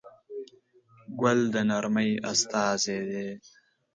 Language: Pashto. ګل د نرمۍ استازی دی.